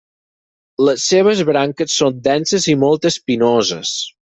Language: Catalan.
Les seves branques són denses i molt espinoses.